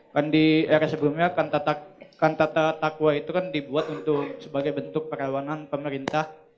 kan di era sebelumnya kan tata takwa itu kan dibuat untuk sebagai bentuk perlawanan pemerintah